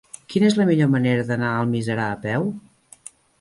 Quina és la millor manera d'anar a Almiserà a peu?